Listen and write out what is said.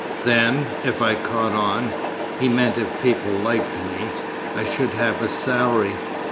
Then, if I 'caught on' he meant if people liked me I should have a salary.